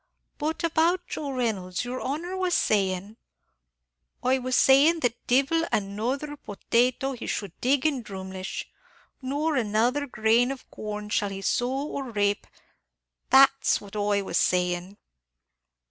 But about Joe Reynolds, yer honor was sayin' " "I was saying that divil another potato he should dig in Drumleesh, nor another grain of corn shall he sow or rape; that's what I was saying."